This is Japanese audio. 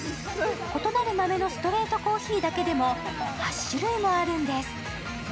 異なる豆のストレートコーヒーだけでも８種類もあるんです。